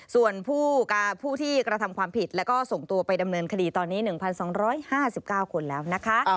ส่วนผู้ที่กระทำความผิดแล้วก็ส่งตัวไปดำเนินคดีตอนนี้๑๒๕๙คนแล้วนะคะ